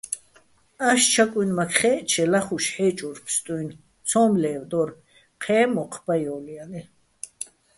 ას ჩაკუჲნმაქ ხაე̆ჸჩე ლახუშ ჰ̦ე́ჭურ ფსტუ́ჲნო̆, ცო́მ ლე́ვდო́რ, ჴეჼ მოჴ ბაჼ ჲო́ლჲალიჼ.